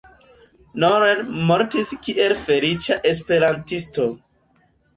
Noll mortis kiel feliĉa esperantisto.